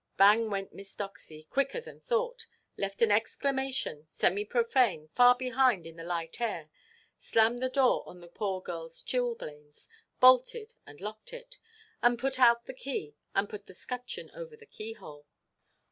Bang went Miss Doxy, quicker than thought, left an exclamation, semi–profane, far behind on the light air, slammed the door on the poor girlʼs chilblains, bolted and locked it, and pulled out the key, and put the scutcheon over the keyhole.